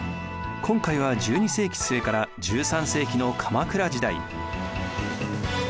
今回は１２世紀末から１３世紀の鎌倉時代。